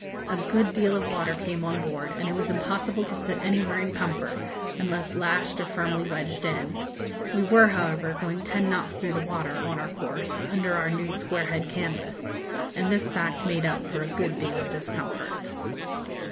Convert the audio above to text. A good deal of water came on board, and it was impossible to sit anywhere in comfort, unless lashed or firmly wedged in. We were, however, going ten knots through the water, on our course, under our new square head canvas; and this fact made up for a good deal of discomfort.